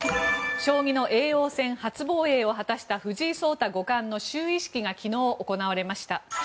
将棋の叡王戦初防衛を果たした藤井聡太五冠の就位式が昨日、行われました。